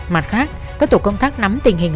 mặt khác các tổ công thác nắm tình hình